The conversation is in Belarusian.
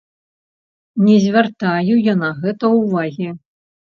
Не звяртаю я на гэта ўвагі.